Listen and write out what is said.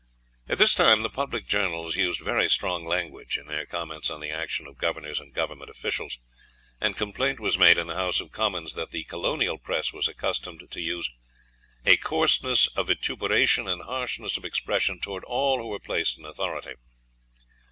"At this time the public journals used very strong language in their comments on the action of Governors and Government officials, and complaint was made in the House of Commons that the colonial press was accustomed to use "a coarseness of vituperation and harshness of expression towards all who were placed in authority."